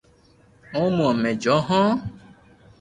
او مي جو ھون